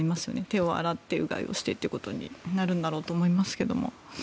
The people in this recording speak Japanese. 手を洗ってうがいをしてということになるんだと思いますけど。